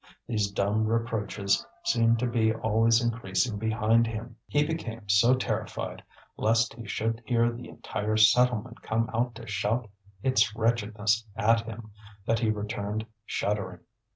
These dumb reproaches seemed to be always increasing behind him. He became so terrified, lest he should hear the entire settlement come out to shout its wretchedness at him, that he returned shuddering.